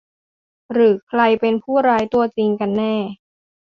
หรือใครเป็นผู้ร้ายตัวจริงกันแน่